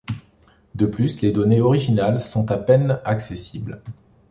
De plus, les données originales sont à peine accessibles.